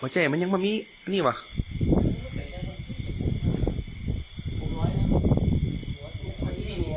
เจ๋มันยังไม่มีอันนี้แหวะ